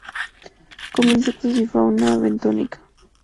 Come insectos y fauna bentónica.